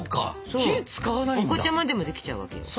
おこちゃまでもできちゃうわけよ。